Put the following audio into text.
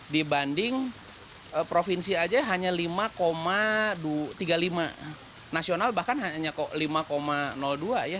dibanding provinsi saja hanya lima tiga puluh lima nasional bahkan hanya lima dua ya